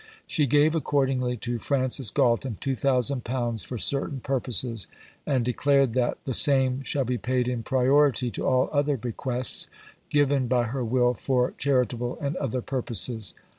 She gave accordingly "to Francis Galton £2000 for certain purposes," and declared that "the same shall be paid in priority to all other bequests given by her Will for charitable and other purposes."